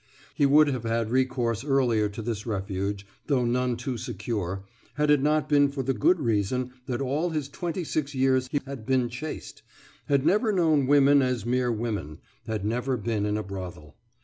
He would have had recourse earlier to this refuge, though none too secure, had it not been for the good reason that all his twenty six years he had been chaste, had never known women as mere women, had never been in a brothel.